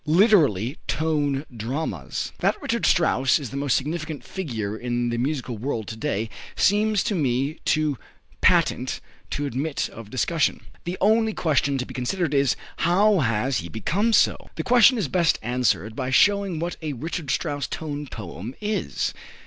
Literally Tone Dramas. That Richard Strauss is the most significant figure in the musical world to day seems to me too patent to admit of discussion. The only question to be considered is, how has he become so? The question is best answered by showing what a Richard Strauss tone poem is.